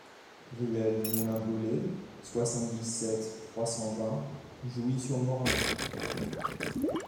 Ruelle du Moulin Brulé, soixante-dix-sept, trois cent vingt Jouy-sur-Morin